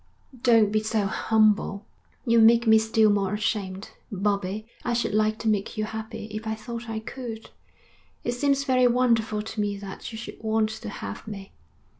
'Don't be so humble; you make me still more ashamed. Bobbie, I should like to make you happy if I thought I could. It seems very wonderful to me that you should want to have me.